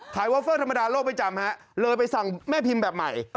วอฟเฟอร์ธรรมดาโลกไม่จำฮะเลยไปสั่งแม่พิมพ์แบบใหม่